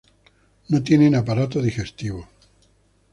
No tienen aparato digestivo.